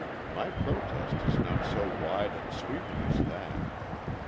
My protest is not so wide and sweeping as that.